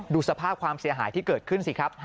ดูสภาพความเสียหายที่เกิดขึ้นสิครับ